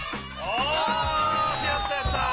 よしやったやった。